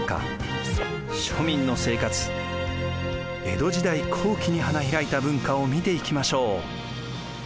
江戸時代後期に花開いた文化を見ていきましょう。